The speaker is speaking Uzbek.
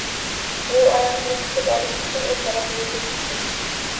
U onasini kutib olish uchun ertaroq yo`lga chiqdi